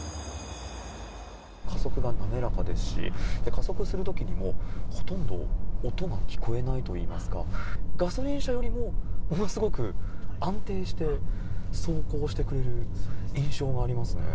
加速が滑らかですし、加速するときにも、ほとんど音が聞こえないといいますか、ガソリン車よりもものすごく安定して走行してくれる印象がありますね。